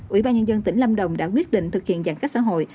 ủy ban nhân dân tỉnh lâm đồng đã quyết định thực hiện giãn cách xã hội